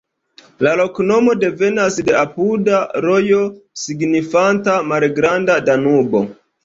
La loknomo devenas de apuda rojo signifanta "Malgranda Danubo".